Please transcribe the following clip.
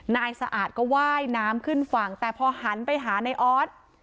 นายสะอาดก็ว่ายน้ำขึ้นฝั่งแต่พอหันไปหาในออส